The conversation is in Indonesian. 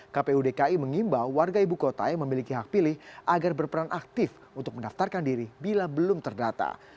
kpu dki mengimbau warga ibu kota yang memiliki hak pilih agar berperan aktif untuk mendaftarkan diri bila belum terdata